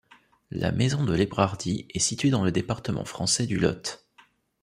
La Maison de l'Hébrardie est située dans le département français du Lot.